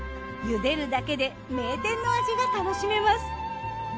茹でるだけで名店の味が楽しめます。